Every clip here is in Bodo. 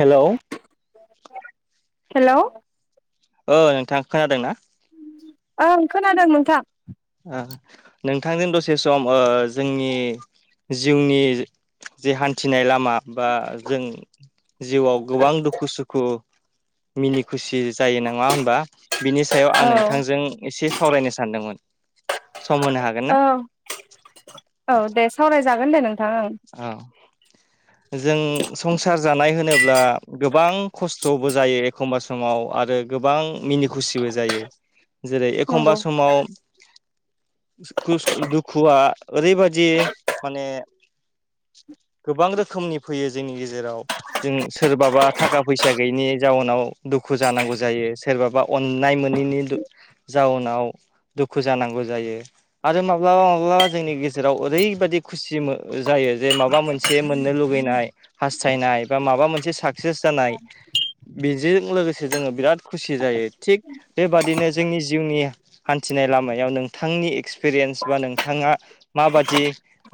हेलौ। हेलौ। औ नोंथां खोनादों ना। ओं खोनादों नोंथां। ओ नोंथांजों दसे सम ओ जोंनि जिउनि जे हान्थिनाय लामा बा जों जिउआव गोबां दुखु सुखु मिनि खुसि। जायो नङा होनबा बिनि सायाव आं औ नोंथांजों एसे सावरायनो सानदोंमोन। सम होनो हागोन ना। औ दे सावरायजागोन दे नोंथां आं [unintelligible] जों संसार जानाय होनोब्ला गोबां खस्थ'बो जायो। एखमबा समाव आरो गोबां मिनि खुसिबो जायो जेरै एखमबा नंगौ समाव खुस दुखुआ ओरैबादि माने गोबां रोखोमनि फैयो जोंनि गेजेराव जों सोरबाबा थाखा फैसा गैयिनि जाउनाव दुखु जानांगौ जायो सोरबाबा अननाय मोनैनि जाउनाव दुखु जानांगौ जायो आरो माब्लाबा माब्लाबा जोंनि गेजेराव ओरैबादि खुसि जायो जे माबा मोनसे मोननो लुुबैनाय हास्थायनाय बा माबा मोनसे साक्सेस जानाय बेजोंजों लोगोसे जोङो बिराद खुसि जायो थिग बेबादिनो जोंनि जिउनि हान्थिनाय लामायाव नोंथांनि एक्सपिरियेन्स बा नोंथाङा माबादि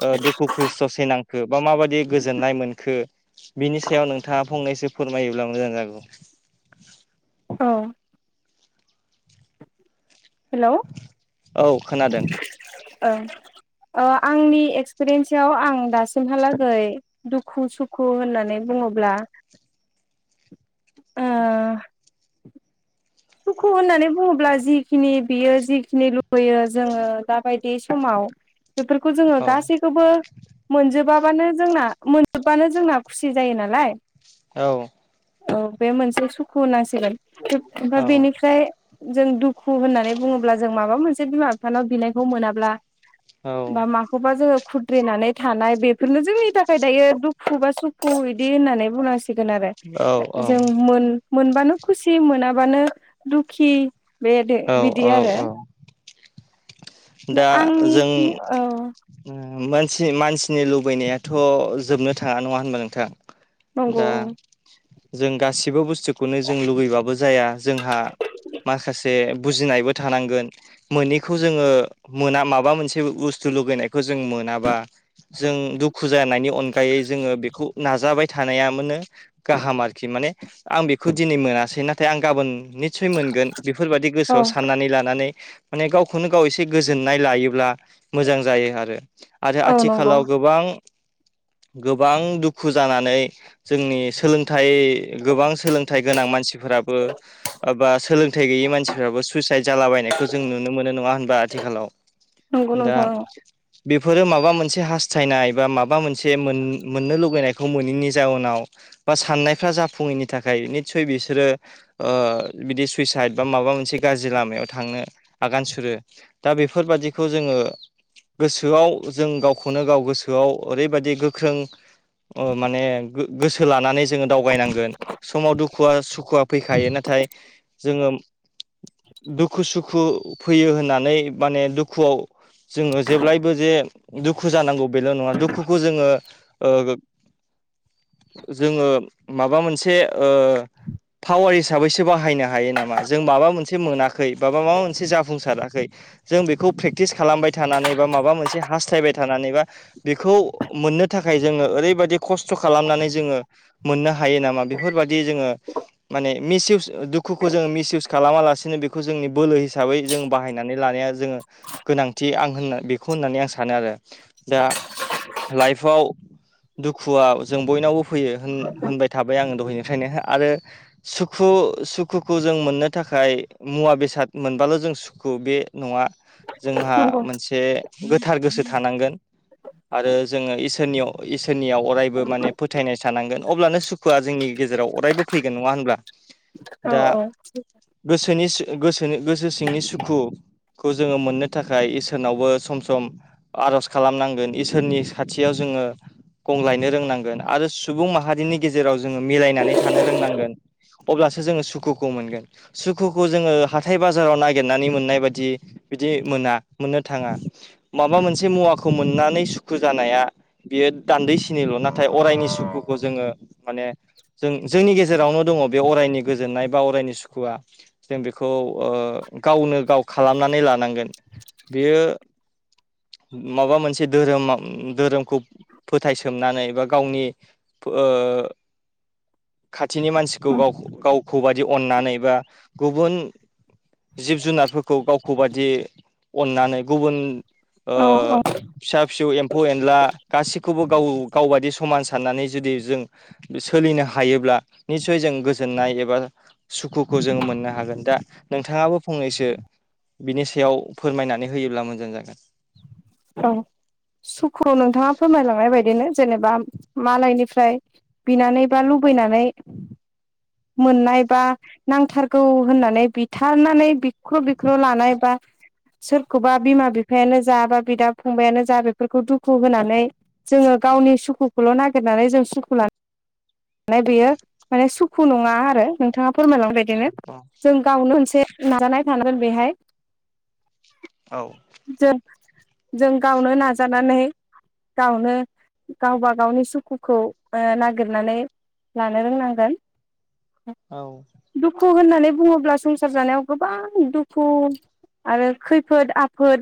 ओ दुखुखौ ससेनांखो बा माबादि गोजोननाय मोनखो बिनि सायाव नोंथाङा फंनैसो फोरमायोब्ला मोजां जागौ। औ। हेलौ औ खोनादों [unintelligible] ओ आंनि एक्सपिरियेन्सआव आं दासिमहालागै दुखु सुखु होननानै बुङोब्ला ओ सुखु होननानै बुङोब्ला जिखिनि बियो जिखिनि लुुबैयो जोङो दाबायदि समाव बेफोरखौ जोंङो औ गासै खौबो मोनजोबा बानो जोंना मोनजोबबानो जोंना खुसि जायो नालाय। औ। औ बे मोनसे सुखु होननांसिगोन ओमफ्राय औ बेनिफ्राय जों दुखु होननानै बुङोब्ला जों माबा मोनसे बिमा बिफानाव बिनायखौ मोनाब्ला बा औ मा खौबा जोङो खुद्रिनानै थानाय बेफोरनो जोंनि थाखाय दायो दुखु बा सुखु बिदि होननानै बुंनांसिगोन। सिगोन आरो जों औ मोन-मोनबानो खुसि मोनाबानो दुखि बे दे बिदि औ औ आरो। औ दा आंनि जों औ मानसि मानसिनि लुबैनायाथ' जोबनो थाङा नङा होनबा नोंथां‌। नंगौ दा जों गासिबो बुस्थुखौनो जों लुबैबाबो जाया जोंहा माखासे बुजिनायबो थानांगोन। मोनैखौ जोङो मोना माबा मोनसे बुस्थु लुगैनायखौ जों मोनाबा जों दुखु जानायनि अनगायै जोङो बेखौ नाजाबाय थानाय मोनो गाहाम आरोखि। माने आं बेखौ दिनै मोनासै नाथाय आं गाबोन निस्सय मोनगोन बेफोरबादि औ गोसोआव साननानै लानानै माने गावखौनो गाव ए से गोजोननाय लायोब्ला मोजां जायो आरो। आरो औ नंगौ आथिखालाव गोबां गोबां दुखु जानानै जोंनि सोलोंथाइ गोबां सोलोंथाइ गोनां मानसिफोराबो ओ बा सोलोंथाइ गैयि मानसिफ्राबो सुइसाइद जालाबायनायखौ जों नुनो मोन नङा होम आथिखालाव नंगौ दा नोंथां बेफोरो माबा मोनसे हास्थायनाय बा माबा मोनसे मोन-मोननो लुबैनायखौ मोनैनि जाउनाव बा साननायफ्रा जाफुङैनि थाखाय निस्सय बिसोरो ओ बिदि सुइसाइद बा माबा मोनसे गाज्रि लामायाव थांनो आगान सुरो। दा बेफोरबादिखौ जोङो गोसोआव जों गावखौनो गाव गोसोआव ओरैबादि गोख्रों अ माने गोसो लानानै जोङो दावगनांगोन। समाव दुखुआ सुु दुखुआ फैखायो नाथाय जोङो दुखु सुखु फैयो होननानै माने दुखुआव जोङो जेब्लायबो जे दुखु जानांगौ बेल' नङा। दुखुखौ जोङो ओ जोङो माबा मोनसे ओ पावार हिसाबैसो बाहायनो हायो नामा जों माबा मोनसे मोनाखै बाबा माबा मोनसे जाफुंसाराखै जों बेखौ प्रेक्टिस खालामबाय थानानै बा माबा मोनसे हास्थायथायबाय थानानै बा बेखौ मोननो थाखाय जोङो ओरैबादि खस्थ' खालामनानै जोङो मोननो हायो नामा बेफोरबादि जोङो माने मिसयउस दुखुखौ जोङो मिसयउस खालामालासिनो बेखौ जोंनि बोलो हिसाबै जों बाहायनानै लानाया जोङो गोनांथि आं होन बेखौ होननानै आं सानो आरो। दा लाइफआव दुखुआ जों बयनावबो फैयो होन-होनबाय थाबाय आङो दहायनिफ्रायनो आरो सुखु सुखुखौ जों मोननो थाखाय मुवा बेसाद मोनबाल' जों सु खौ बे न'आ जोंहा नंगौ मोनसे गोथार गोसो थानांगोन। आरो जोङो इसोरनियाव इसोरनियाव अरायबो माने फोथायनाय थानांगोन। अब्लानो सु खुआ जोंनि गेजेराव अरायबो फैगोन नङा होनब्ला। दा [inaudible] गोसोनिसो-सु-गोसोनि-गोसो सिंनि सुखु खौ जोङो मोननो थाखाय इसोरनावबो सम सम आर'ज खालामनांगोन इसोरनि खाथियाव जोङो गंलायनो रोंनांगोन आरो सुबुं माहारिनि गेजेराव जोङो मिलायनानै थानो रोंनांगोन। अब्लासो जोङो सुखुखौ मोनगोन। सुखुखौ जोङो हाथाय बाजाराव नागिरनानै मोननाय बादि बिदि मोना मोननो थाङा माबा मोनसे मुवाखौ मोननानै सुखु जानाया बियो दान्दैसिनिल' नाथाय अरायनि सुखुखौ जोङो माने जों जोंनि गेजेरावनो दङ बे अरायनि गोजोननाय बा अरायनि सुखुआ। जों बिखौ ओ गावनो गाव खालामनानै लानांगोन। बेयो [inaudible] माबा मोनसे धोरोमा धोरोमखौ फोथायसोमनानै बा गावनि ओ खाथिनि मानसिखौ गाव गाव खौ बायि अननानै बा गुबुन जिब जुनार खौ गावखौ बादि अननानै गुबुन ओ औ औ फिसा फिसौ एम्फौ एनला गासैखौबो गाव गावबादि समान साननानै जुदि जों सोलिनो हायोब्ला निसय जों गोजोननाय एबा सुखुखौ जोङो मोननो हागोन दा नोंथाङाबो फंनैसो बिनि सायाव फोरमायनानै होयोब्ला मोजां जागोन। औ सुखुआव नोंथाङा फोरमायलांनाय बायदिनो जेनेबा मालायनिफ्राय बिनानै बा लुबैनानै मोननाय बा नांथारगौ होननानै बिथारनानै बिख्र' बिख्र' लानाय बा सोरखौबा बिमा बिफायानो जाबा बिदा फंबायानो जा बेफोरखौ दुखु होनानै जोंङो गावनि सुखुखौल' नागिरनानै जों सुखु लानानै ओमफ्राय बेयो माने सुखु नङा आरो नोंथाङा फोरमायलांबाय नो जों गावनो मोनसे नाजानाय थानांगोन बेहाय औ जों जों गावनो नाजानानै गावनो गावबा गावनि सुखुखौ ओ नागिरनानै लानो रोंनांगोन। [unintelligible] औ दुखु होननानै बुङोब्ला संसार जानायाव गोबां दुखु आरो खैफोद आफोद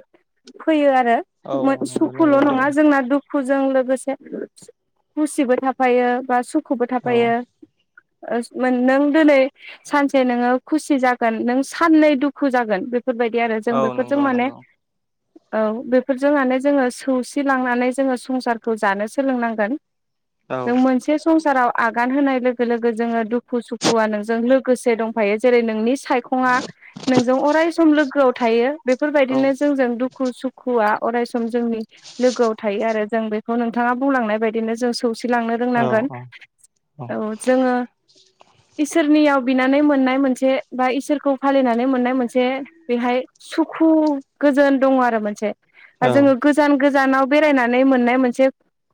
फैयो आरो औ नंगौ सुखुल' नंगौ नंगौ नङा जोंना दुखु दुखुजों लोगोसे खुसिबो थाफायो बा सुखुबो औ थाफायो। ओ नों दिनै सानसे नोङो खुसि जागोन नों साननै दुखु जागोन बेफोरबायदि आरो औ जों नंगौ बेफोरजों माने नंगौ औ बेफोरजों माने जोंङो सौसिलांनानै जोंङो संसारखौ जानो सोलोंनांगोन। [inaudible] जों मोनसे संसाराव आगान होनाय लोगो लोगो जोंङो दुखु सुखुआ नोंजों लोगोसे दंफायो जेरै नोंनि सायखंआ नोंजों अराय सम लोगोआव थायो औ बेफोरबायदिनो जोंजों दुखु दुखु सुखुआ अरायसम जोंनि लोगोआव थायो आरो जों बेखौ नोंथाङा बुंलांनाय बायदिनो जों सौसि लांनो औ रोंनांगोन औ जोंङो इसोरनियाव बिनानै मोननाय मोनसे बा इसोरखौ फालिनानै मोननाय मोनसे बेहाय सुखु गोजोन दङ आरो मोनसे दा औ जोंङो गोजान गोजानाव बेरायनानै मोननाय मोनसे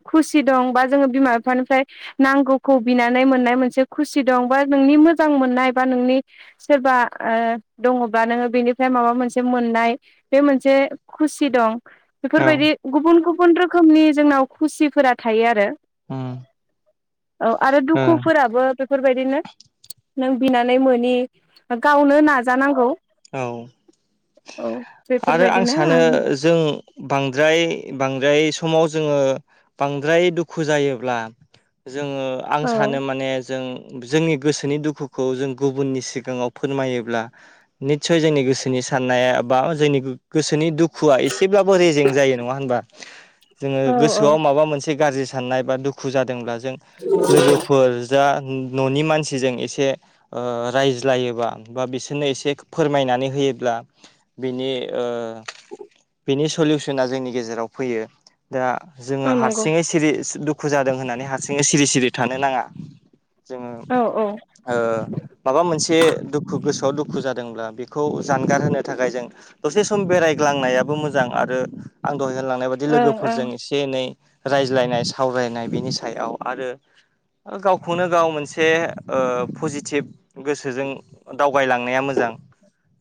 खुसि दं। बा जोंङो बिमा बिफानिफ्राय नांगौखौ बिनानै मोननाय मोनसे खुसि दं। बा नोंनि मोजां मोननाय बा नोंनि सोरबा ओ दङब्ला नोंङो बेनिफ्राय माबा मोनसे मोननाय। बे मोनसे खुसि दं औ बेफोरबायदि गुबुन गुबुन रोखोमनि जोंनाव खुसिफोरा थायो आरो उम औ आरो ओं दुखुफोराबो बेफोरबायदिनो नों बिनानै मोनि गावनो नाजानांगौ। औ औ आरो आं बेफोरबायदिनो सानो जों बांद्राय बांद्राय समाव जोंङो बांद्राय दुखु जायोब्ला जोंङो आं औ सानो माने जों जोंनि गोसोनि दुखुखौ जों गुबुननि सिगाङाव फोरमायोब्ला निस्सय जोंनि गोसोनि साननाया बा जोंनि गोसोनि दुख दुखुआ एसेब्लाबो रेजें जायो नङा होनबा जोंङो औ औ गोसोआव माबा मोनसे गाज्रि साननाय बा दुखु जादोंब्ला जों लोगोफोर जा न'नि मानसिजों एसे रायज्लायोबा बा बिसोरनो एसे फोरमायनानै होयोब्ला बिनि ओ बेनि सलिउसना जोंनि गेजेराव फैयो दा औ जोङो नंगौ हारसिङै सिरि [unintelligible] दुखु जादों होननानै हारसिङै सिरि सिरि थानो नाङा जोङो औ औ ओ-माबा मोनसे दुखु गोसोआव दुखु जाद दोंब्ला बेखौ जानगार होनो थाखाय जों दसे सम बेरायग्लांनायाबो मोजां आरो। आं दहाय होनलांनाय बायदि ओं लोगोफोरजों एसे एनै रायज्लायनाय सावरायनाय बिनि सायाव आरो गावखौनो गाव मोनसे ओ-पजिटिभ गोसोजों दावगायलांनाय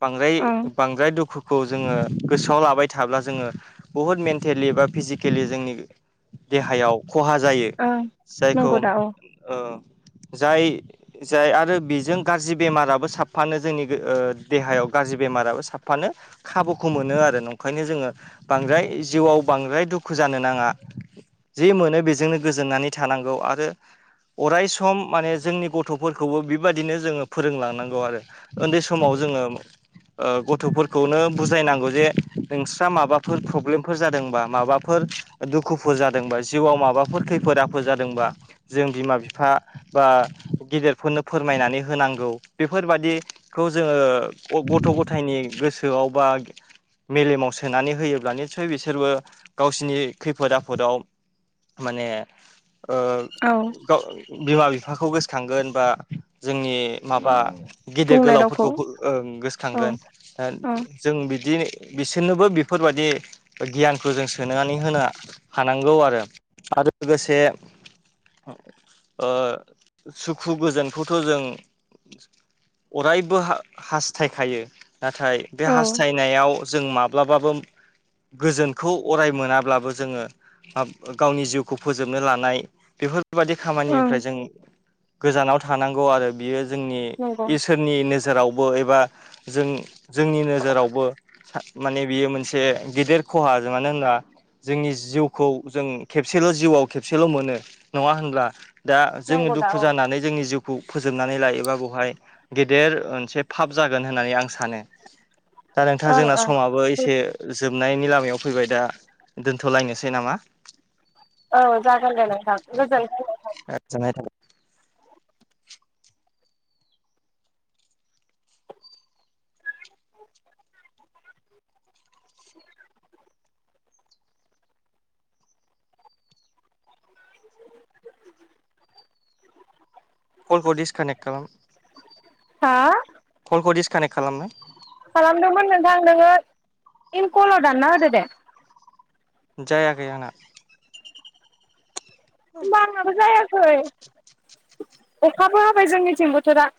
बांद्राय ओं बांद्राय दुखु खौ जोङो गोसोआव लाबाय थाब्ला जोङो बुहुद मेन्टेलि बा फिजिकेलि जोंनि देहायाव खहा जायो। ओं जायखौ नंगौ दा औ ओ-जाय जाय आरो बेजों गाज्रि बेमाराबो साफानो जोंनि ओ-देहायाव गाज्रि बेमाराबो सााबफानो खाबुखौ मोनो आरो नंखायनो जोङो बांद्राय जिउआव बांद्राय दुखु जानो नाङा। जि मोनो बेजोंनो गोजोननानै थानांगौ आरो। अराय सम माने जोंनि गथ'फोरखौबो बेबायाददिनो जोङो फोरोंलांनांगौ आरो। ओनदै समाव जोङो। ओ-गथ'फोरखौनो बुजायनांगौ जे नोंस्रा माबाफोर प्रब्लेमफोर जादोंबा माबाफोर दुखुफोर जादोंबा जिउआव माबाफोर खैफोद आफोद जादोंबा। जों बिमा बिफा बा गेदेरफोरनो फोरमायनानै होनांगौ बेफोरबादि खौ जोङो गथ' गथायनि गोसोआव बा मेलेमाव सोनानै होयोब्ला निसय बिसोरबो गावसिनि खैफोद आफोदाव। माने ओ- औ गाव बिमा बिफाखौ गोसोखांगोन बा जोंनि माबा गेदेर बुंनाय गोलाव। रावखौ फोरफोरखौबो ओ- औ गोसोखांगोन। ओ- ओं जों बिदि बिसोरनोबो बेफोरबायदि गियानखौ जों सोनानै होना हानांगौ आरो आरो लोगोसे ओ-सुखु गोजोनखौथ' जों अराय बो-हा-हास्थायखायो नाथाय बे औ हास्थायनायाव जों माब्लाबाबो गोजोनखौ अराय मोनाब्लाबो जोङो। आब-गावनि जिउखौ फोजोबनो लानाय बेफोर बाददि ओं खामानिनिफ्राय जों गोजानाव थानांगौ आरो बियो जोंनि नंगौ इसोरनि नोज जोरावबो एबा जों जोंनि नोजोरावबो। माने बियो मोनसे गेदेर खहा मानो होनोबा जोंनि जिउखौ जों खेबसेल' जिउआव खेबसेल' मोनो नङा होनब्ला? दा जोङो नंगौ दा दुखु औ जानानै जोंनि जिउखौ फोजोबनानै लायोबा बेहाय गेदेर मोनसे फाब जागोन होननानै आं सानो। दा नोंथाङा ओं जोंना ओं समाबो एसे जोबनायनि लामायाव फैबाय दा दोनथ'लायनोसै नामा? औ जागोन दे नोंथां। गोजोनाय [unintelligible] कलखौ दिजकानेक्ट खालाम। हा? खलखौ डिसकानेक्ट खालामनाय। खालामदोंमोन नोंथां नोङो इन कलाव दानना होदो दे। जायाखै आंना। होनबा आंनाबो जायाखै अखाबो होबाय जोंनिथिं बोथोरा।